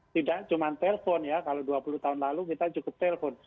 tidak cuma telpon ya kalau dua puluh tahun lalu kita cukup telpon